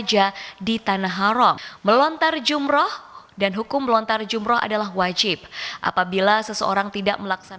jemaah lansia bisa memanfaatkan kursi roda skoter hingga digendong dan juga digendong